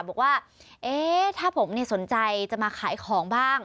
บอกว่าถ้าผมสนใจจะมาขายของบ้าง